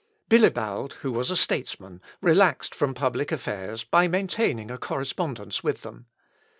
Bilibald, who was a statesman, relaxed from public affairs by maintaining a correspondence with them.